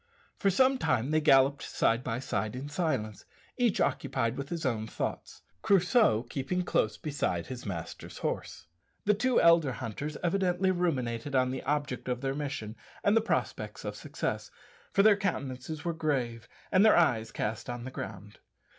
For some time they galloped side by side in silence, each occupied with his own thoughts, Crusoe keeping close beside his master's horse. The two elder hunters evidently ruminated on the object of their mission and the prospects of success, for their countenances were grave and their eyes cast on the ground.